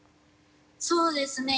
そうですね。